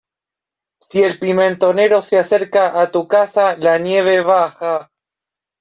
Si el pimentonero se acerca a tu casa, la nieve baja.